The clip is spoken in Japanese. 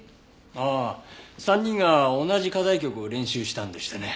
ああ３人が同じ課題曲を練習したんでしたね。